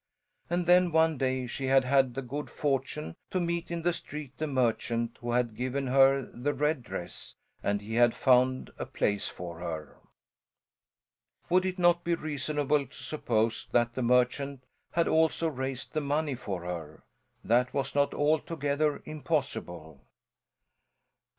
And then one day she had had the good fortune to meet in the street the merchant who had given her the red dress, and he had found a place for her. Would it not be reasonable to suppose that the merchant had also raised the money for her? That was not altogether impossible.